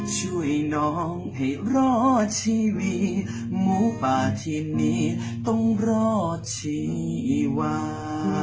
ช่วยน้องให้รอดชีวิตหมูป่าชิ้นนี้ต้องรอดชีวา